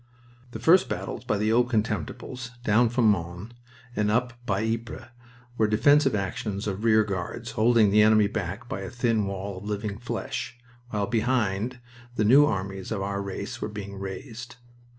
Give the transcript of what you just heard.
The first battles by the Old Contemptibles, down from Mons and up by Ypres, were defensive actions of rear guards holding the enemy back by a thin wall of living flesh, while behind the New Armies of our race were being raised.